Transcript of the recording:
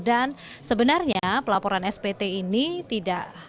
dan sebenarnya pelaporan spt ini tidak